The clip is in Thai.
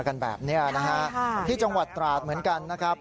กันแบบนี้นะฮะที่จังหวัดตราดเหมือนกันนะครับ